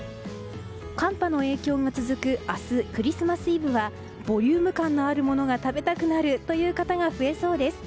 寒波の影響が続く明日クリスマスイブはボリューム感のあるものが食べたくなるという方が増えそうです。